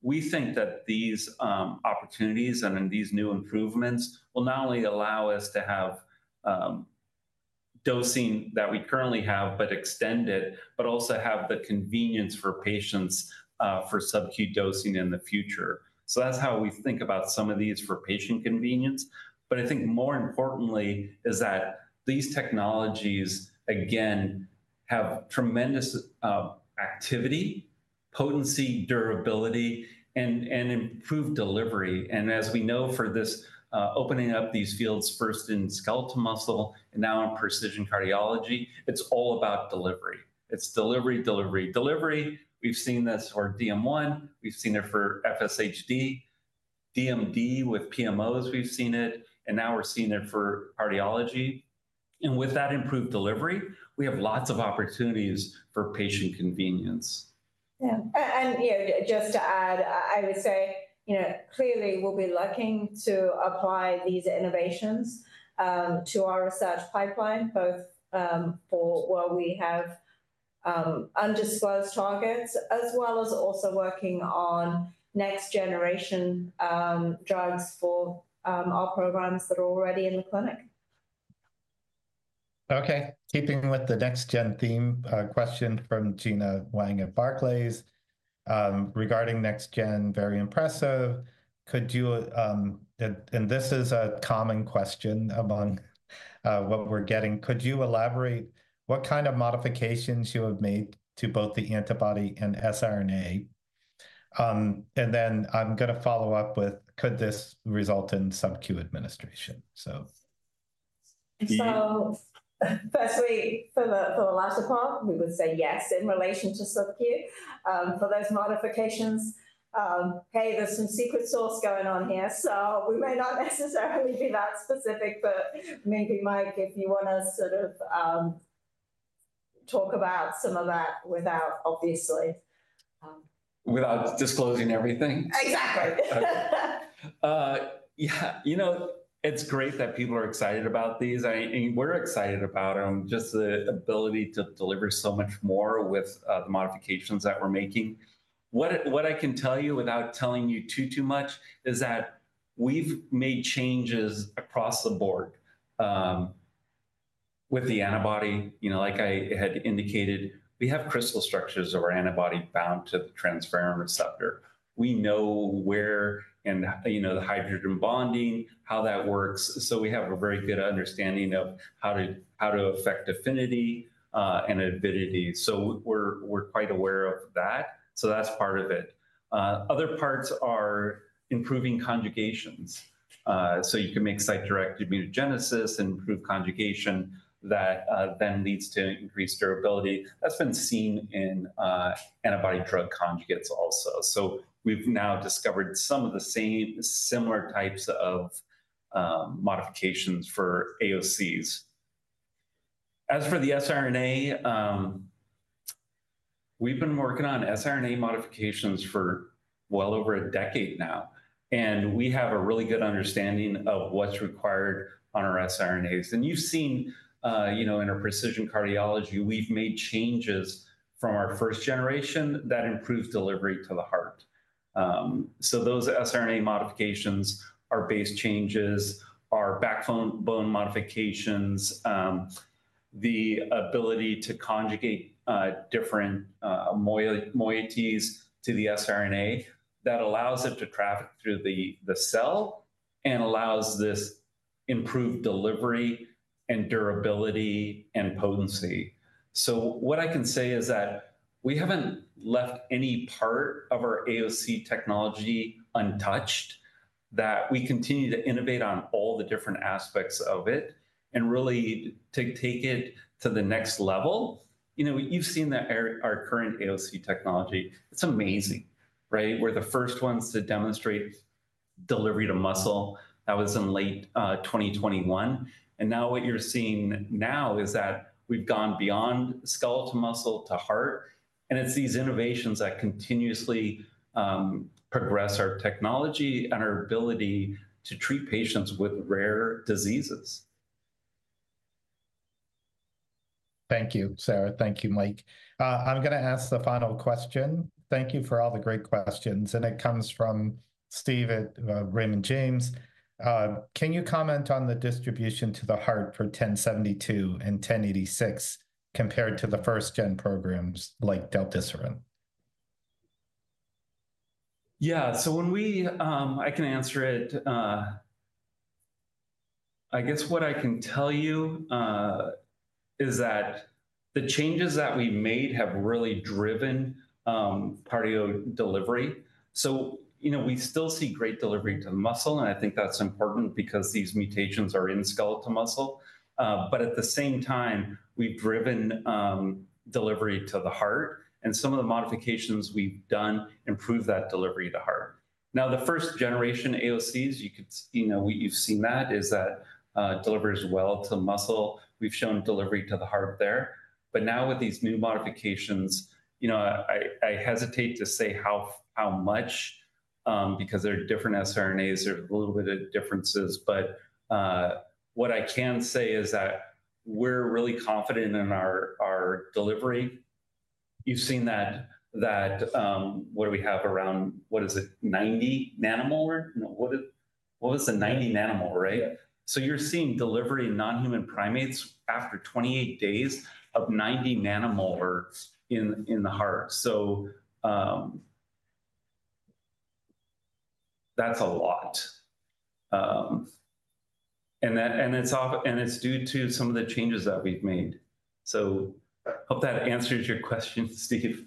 We think that these opportunities and these new improvements will not only allow us to have dosing that we currently have, but extend it, but also have the convenience for patients for subQ dosing in the future. That's how we think about some of these for patient convenience. I think more importantly is that these technologies, again, have tremendous activity, potency, durability, and improved delivery. And as we know for this opening up these fields first in skeletal muscle and now in precision cardiology, it's all about delivery. It's delivery, delivery, delivery. We've seen this for DM1. We've seen it for FSHD. DMD with PMOs, we've seen it. And now we're seeing it for cardiology. And with that improved delivery, we have lots of opportunities for patient convenience. Yeah, and just to add, I would say clearly we'll be looking to apply these innovations to our research pipeline, both for where we have undisclosed targets, as well as also working on next generation drugs for our programs that are already in the clinic. Okay, keeping with the next gen theme, question from Gena Wang at Barclays regarding next-gen, very impressive. And this is a common question among what we're getting. Could you elaborate what kind of modifications you have made to both the antibody and siRNA? And then I'm going to follow up with, could this result in subQ administration? And so firstly, for the last part, we would say yes in relation to subQ for those modifications. Hey, there's some secret sauce going on here. So we may not necessarily be that specific. But maybe Mike, if you want to sort of talk about some of that without, obviously. Without disclosing everything. Exactly. Yeah, it's great that people are excited about these. I mean, we're excited about them, just the ability to deliver so much more with the modifications that we're making. What I can tell you without telling you too, too much is that we've made changes across the board with the antibody. Like I had indicated, we have crystal structures of our antibody bound to the transferrin receptor. We know where and the hydrogen bonding, how that works. So we have a very good understanding of how to affect affinity and avidity. So we're quite aware of that. So that's part of it. Other parts are improving conjugations. So you can make site-directed mutagenesis and group conjugation that then leads to increased durability. That's been seen in antibody drug conjugates also. So we've now discovered some of the same similar types of modifications for AOCs. As for the siRNA, we've been working on siRNA modifications for well over a decade now, and we have a really good understanding of what's required on our siRNAs, and you've seen in our precision cardiology, we've made changes from our first generation that improved delivery to the heart, so those siRNA modifications are base changes, our backbone modifications, the ability to conjugate different moieties to the siRNA that allows it to traffic through the cell and allows this improved delivery and durability and potency, so what I can say is that we haven't left any part of our AOC technology untouched, that we continue to innovate on all the different aspects of it and really to take it to the next level. You've seen our current AOC technology. It's amazing, right? We're the first ones to demonstrate delivery to muscle. That was in late 2021. Now what you're seeing now is that we've gone beyond skeletal muscle to heart. It's these innovations that continuously progress our technology and our ability to treat patients with rare diseases. Thank you, Sarah. Thank you, Mike. I'm going to ask the final question. Thank you for all the great questions. And it comes from Steve at Raymond James. Can you comment on the distribution to the heart for AOC 1072 and AOC 1086 compared to the first gen programs like del-desiran? Yeah, so I can answer it. I guess what I can tell you is that the changes that we made have really driven cardio delivery. So we still see great delivery to the muscle. And I think that's important because these mutations are in skeletal muscle. But at the same time, we've driven delivery to the heart. And some of the modifications we've done improve that delivery to heart. Now, the first generation AOCs, you've seen that delivers well to muscle. We've shown delivery to the heart there. But now with these new modifications, I hesitate to say how much because there are different siRNAs. There are a little bit of differences. But what I can say is that we're really confident in our delivery. You've seen that what do we have around, what is it, 90 nM? What was the 90 nM, right? So, you're seeing delivery in non-human primates after 28 days of 90 nM in the heart. So that's a lot. And it's due to some of the changes that we've made. So I hope that answers your question, Steve.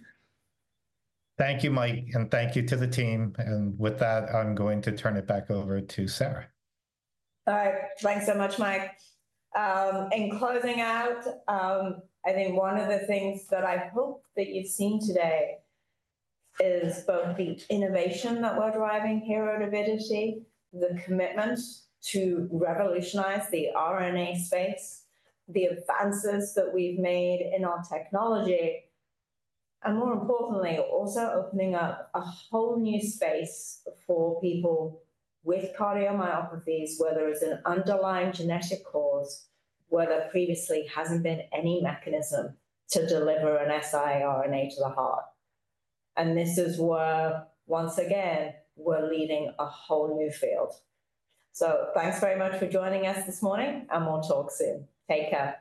Thank you, Mike. And thank you to the team. And with that, I'm going to turn it back over to Sarah. All right. Thanks so much, Mike. In closing out, I think one of the things that I hope that you've seen today is both the innovation that we're driving here at Avidity, the commitment to revolutionize the RNA space, the advances that we've made in our technology, and more importantly, also opening up a whole new space for people with cardiomyopathies, whether it's an underlying genetic cause, whether previously hasn't been any mechanism to deliver an siRNA to the heart, and this is where, once again, we're leading a whole new field. So thanks very much for joining us this morning, and we'll talk soon. Take care.